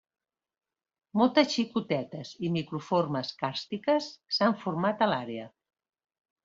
Moltes xicotetes i microformes càrstiques s'han format a l'àrea.